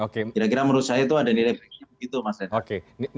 kira kira menurut saya itu ada nilai baiknya begitu mas red